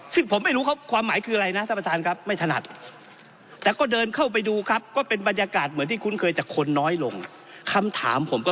ซึ่งผมไม่รู้ความหมายคืออะไรนะท่านประธานครับไม่ถนัด